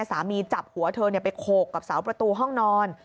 จับหัวเธอไปโขกกับเสาประตูห้องนอน